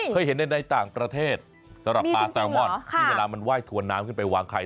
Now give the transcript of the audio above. เคยเห็นในต่างประเทศสำหรับปลาแซลมอนที่เวลามันไห้ถวนน้ำขึ้นไปวางไข่